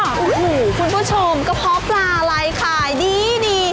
คุณผู้ชมกระเพาะปลาไล่ขายดี